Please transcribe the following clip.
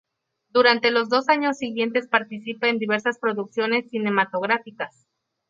Durante los dos años siguientes participa en diversas producciones cinematográficas.